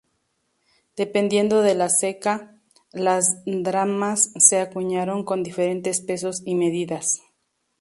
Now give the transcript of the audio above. Dependiendo de la ceca, las dracmas se acuñaron con diferentes pesos y medidas.